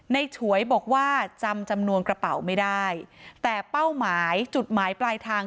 ฉวยบอกว่าจำจำนวนกระเป๋าไม่ได้แต่เป้าหมายจุดหมายปลายทาง